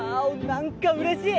何かうれしい。